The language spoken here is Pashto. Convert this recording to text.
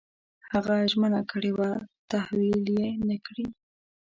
هغه ژمنه کړې وه تحویل یې نه کړې.